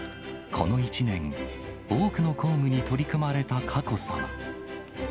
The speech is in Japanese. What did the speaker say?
この１年、多くの公務に取り組まれた佳子さま。